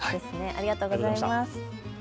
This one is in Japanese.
ありがとうございます。